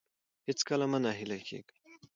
هیڅکله مه نه هیلي کیږئ.